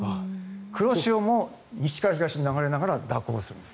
黒潮も西から東に流れながら蛇行するんです。